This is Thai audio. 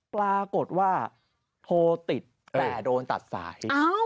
ปรากฏว่าโทรติดแต่โดนตัดสาย